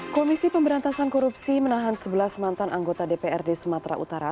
komisi pemberantasan korupsi menahan sebelas mantan anggota dprd sumatera utara